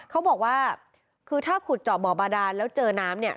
เขาบอกว่าคือถ้าขุดเจาะบ่อบาดานแล้วเจอน้ำเนี่ย